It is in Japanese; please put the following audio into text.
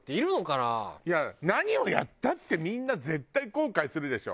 いや何をやったってみんな絶対後悔するでしょ。